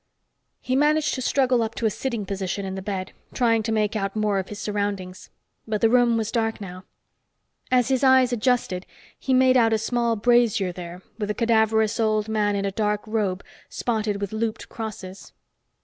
He managed to struggle up to a sitting position in the bed, trying to make out more of his surroundings. But the room was dark now. As his eyes adjusted, he made out a small brazier there, with a cadaverous old man in a dark robe spotted with looped crosses.